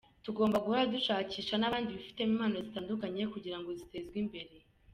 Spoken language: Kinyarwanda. Tugomba guhora dushakisha n’abandi bifitemo impano zitandukanye kugira ngo zitezwe imbere.